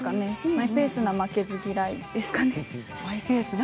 マイペースな負けず嫌いですかね。